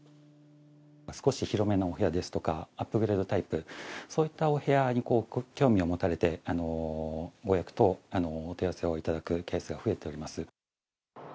少し広めのお部屋ですとか、アップグレードタイプ、そういったお部屋に興味を持たれて、ご予約と、お問い合わせいただくケースが増えております。